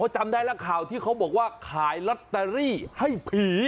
จำได้แล้วข่าวที่เขาบอกว่าขายลอตเตอรี่ให้ผี